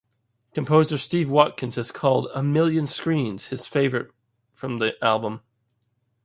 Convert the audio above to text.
Composer Steve Watkins has called "A Million Screens" his favorite from the album.